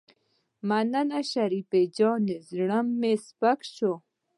مننه شريف جانه زړه مې سپک شو.